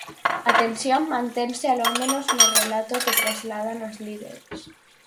A tensión mantense, alomenos no relato que trasladan os líderes.